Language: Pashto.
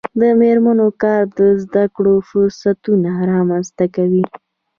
د میرمنو کار د زدکړو فرصتونه رامنځته کوي.